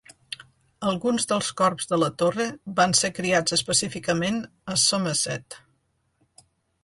Alguns dels corbs de la torre van ser criats específicament a Somerset.